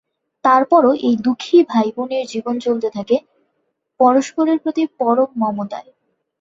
তারপরও এই দু:খী ভাইবোনের জীবন চলতে থাকে পরস্পরের প্রতি পরম মমতায়।